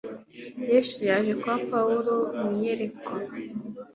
Yesu yaje kwa Pawulo mu iyerekwa